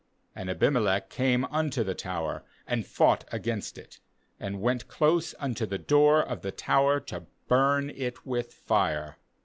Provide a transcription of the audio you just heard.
52And Abimelech came unto the tower, and fought against it, and went close unto the door of the tower to burn it with fire.